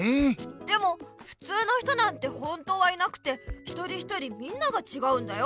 でもふつうの人なんて本当はいなくて一人一人みんながちがうんだよ。